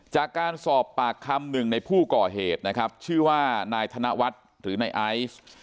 จากการสอบปากคำหนึ่งในผู้ก่อเหตุนะครับชื่อว่านายธนวัฒน์หรือนายไอซ์